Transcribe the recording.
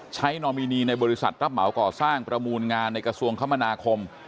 นอมินีในบริษัทรับเหมาก่อสร้างประมูลงานในกระทรวงคมนาคม